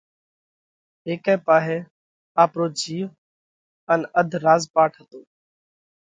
هيڪئہ پاهئہ آپرو جِيو ان اڌ راز پاٽ هتو